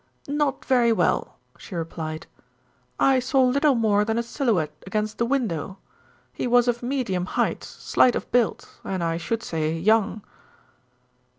"Not very well," she replied. "I saw little more than a silhouette against the window. He was of medium height, slight of build and I should say young."